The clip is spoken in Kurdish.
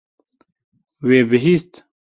Wê bihîst.